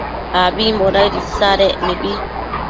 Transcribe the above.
abimbo daëd isadec mibi